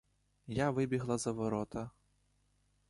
Я вибігла за ворота.